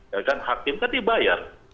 ya kan hakim kan dibayar